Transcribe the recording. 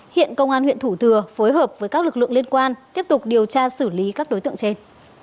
hiện công an huyện thủ thừa phối hợp với các lực lượng liên quan tiếp tục điều tra xử lý các đối tượng trên